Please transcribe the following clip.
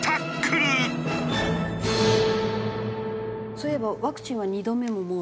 そういえばワクチンは２度目ももう？